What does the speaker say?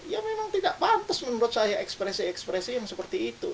ya memang tidak pantas menurut saya ekspresi ekspresi yang seperti itu